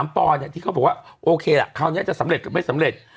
ปอที่เขาบอกว่าโอเคละคราวนี้จะสำเร็จกับไม่สำเร็จ